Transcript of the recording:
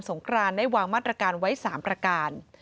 งครานได้วางมาตรการไว้๓ประการ